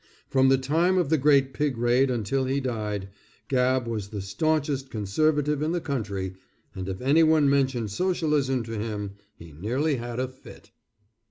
From the time of the great pig raid until he died, Gabb was the staunchest conservative in the country, and if anyone mentioned socialism to him he nearly had a fit.